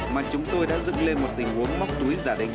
mà chúng tôi đã dựng lên một tình huống móc túi giả định